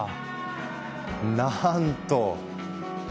なんと。